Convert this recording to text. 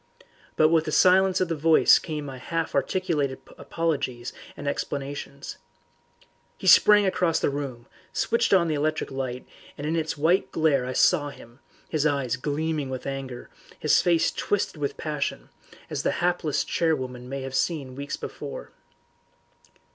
But with the silence of the voice came my half articulated apologies and explanations. He sprang across the room, switched on the electric light, and in its white glare I saw him, his eyes gleaming with anger, his face twisted with passion, as the hapless charwoman may have seen him weeks before.